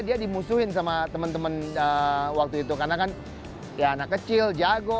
dia dimusuhin sama temen temen waktu itu karena kan anak kecil jago